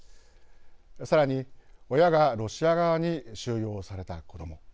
さらに、親がロシア側に収容された子ども。